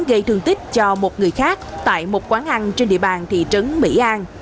gây thương tích cho một người khác tại một quán ăn trên địa bàn thị trấn mỹ an